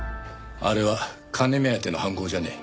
あれは金目当ての犯行じゃねえ。